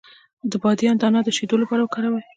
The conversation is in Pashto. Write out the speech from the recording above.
د بادیان دانه د شیدو لپاره وکاروئ